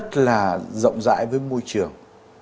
rất là rộng rãi với môi trường